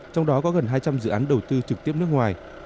trong đó có gần hai trăm linh dự án đầu tư trực tiếp nước ngoài